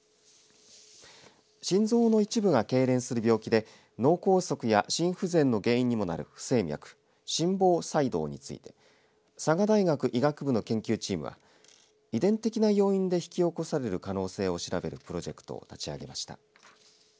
心臓の一部がけいれんする病気で脳梗塞や心不全の原因にもなる不整脈心房細動について佐賀大学医学部の研究チームは遺伝的な要因で引き起こされる可能性を調べるプロジェクトを立ち上げました。